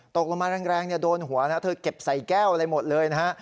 ตกลงมาแรงโดนหัวนะเธอเก็บใส่แก้วอะไรหมดเลยนะฮะ